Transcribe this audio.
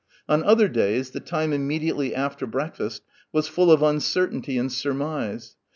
On other days the time immediately after breakfast was full of uncertainty and surmise.